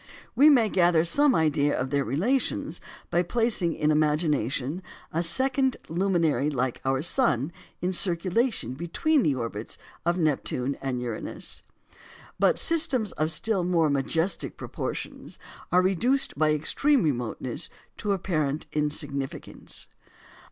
We may gather some idea of their relations by placing in imagination a second luminary like our sun in circulation between the orbits of Neptune and Uranus. But systems of still more majestic proportions are reduced by extreme remoteness to apparent insignificance.